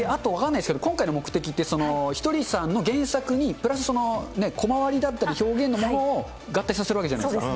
あと分かんないですけど、今回の目的って、ひとりさんの原作に、プラスコマ割りだったり、表現のものを合体させるわけじゃないですか。